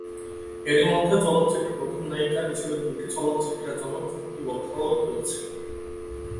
এরই মধ্যে চলচ্চিত্রের প্রধান নায়িকা হিসেবে দুটি চলচ্চিত্রের জন্য চুক্তিবদ্ধও হয়েছি।